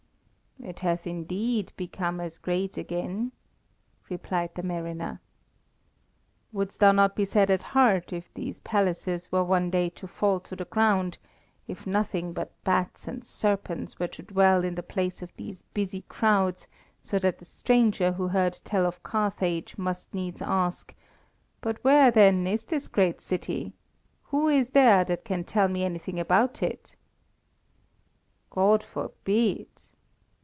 "It hath indeed become as great again," replied the mariner. "Wouldst thou not be sad at heart if these palaces were one day to fall to the ground, if nothing but bats and serpents were to dwell in the place of these busy crowds, so that the stranger who heard tell of Carthage must needs ask: 'But where, then, is this great city? Who is there that can tell me anything about it?'" "God forbid."